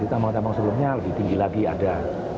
di tambang tambang sebelumnya lebih tinggi lagi ada